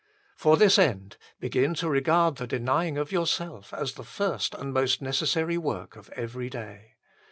For this end, begin to regard the denying of yourself as the first and most necessary work of every day.